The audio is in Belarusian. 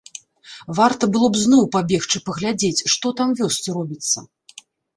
Варта было б зноў пабегчы паглядзець, што там у вёсцы робіцца.